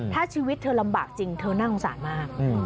ถ้าชีวิตเธอลำบากจริงเธอน่าสงสารมาก